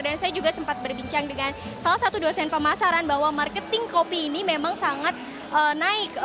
dan saya juga sempat berbincang dengan salah satu dosen pemasaran bahwa marketing kopi ini memang sangat naik